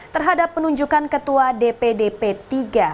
terhadap penunjukan ketua dpdp iii